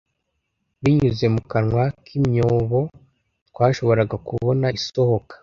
Binyuze mu kanwa k'imyobo twashoboraga kubona isohoka